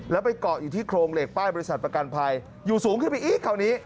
แล้วไปเกาะอยู่ที่โครงเหล็กป้ายบริษัทประกันภัยอยู่สูงขึ้นไปอีกคราวนี้